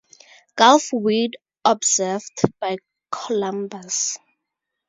Gulfweed was observed by Columbus.